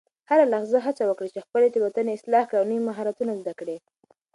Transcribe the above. هره لحظه هڅه وکړه چې خپلې تیروتنې اصلاح کړې او نوي مهارتونه زده کړې.